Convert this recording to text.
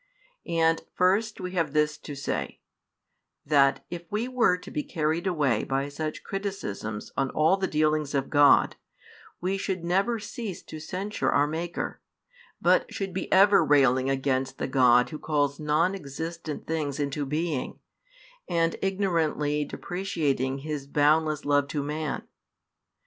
And first we have this to say, that if we were to be carried away by such criticisms on all the dealings of God, we should never cease to censure our |188 Maker, but should be ever railing against the God Who calls non existent things into being, and ignorantly depreciating His boundless love to man.